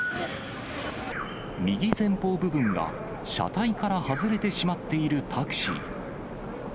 右前方部分が車体から外れてしまっているタクシー。